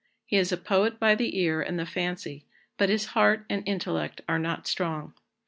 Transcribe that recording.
He is a poet by the ear and the fancy, but his heart and intellect are not strong."